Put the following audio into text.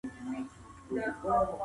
هغې څېړنې د زړه ګټه وښوده.